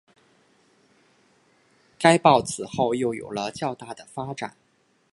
该报此后又有了较大发展。